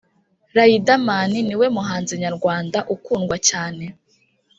Rayidamani niwe muhanzi nyarwanda ukundwa cyane